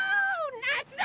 なつだ！